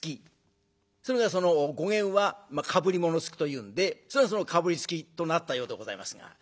それがその語源はかぶり物付きというんでそれがそのかぶりつきとなったようでございますが。